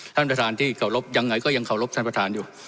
ท่านประธานที่เคารพยังไงก็ยังเคารพท่านประธานอยู่